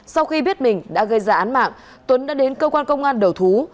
sau khi biết mình đã gây ra án mạng tuấn đã đến cơ quan công an đầu thú